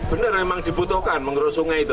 benar memang dibutuhkan mengurus sungai itu